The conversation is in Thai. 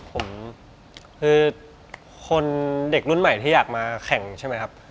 ผมคือคนเด็กรุ่นใหม่ที่อยากมาแข่งใช่ไหมครับ